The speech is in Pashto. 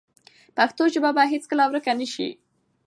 پښتو ژبه به هیڅکله ورکه نه شي.